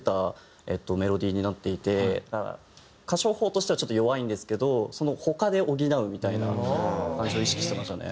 歌唱法としてはちょっと弱いんですけど他で補うみたいな感じを意識してましたね。